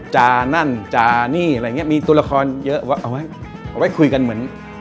นั่นจานี่อะไรอย่างเงี้มีตัวละครเยอะเอาไว้เอาไว้คุยกันเหมือน